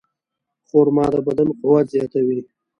خرما د بدن قوت زیاتوي.